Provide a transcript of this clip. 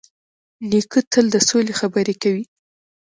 نیکه تل د سولې خبرې کوي.